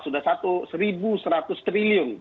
sudah satu seratus triliun